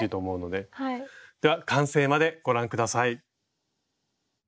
では完成までご覧下さい。